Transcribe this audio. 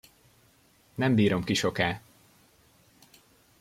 Nem bírom ki soká!